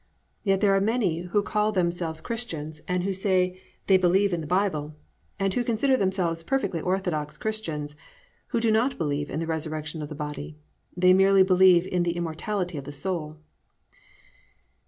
Yet there are many who call themselves Christians and who say that they believe in the Bible, and who consider themselves perfectly orthodox Christians, who do not believe in the Resurrection of the Body, they merely believe in the immortality of the soul.